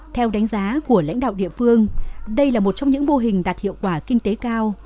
theo đánh giá của lãnh đạo địa phương đây là một trong những mô hình đạt hiệu quả kinh tế cao